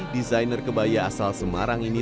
desainer kebaya asal semarang ini